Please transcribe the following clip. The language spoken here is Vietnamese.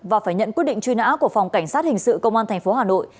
và phải nhận quyết định truy nã của phòng cảnh sát hình sự công an tp hà nội